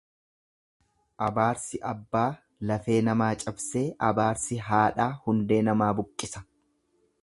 Abaarsi abbaa lafee nama cabsee abaarsi haadhaa hundee nama buqqisa.